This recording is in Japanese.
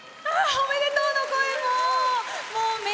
おめでとうの声も！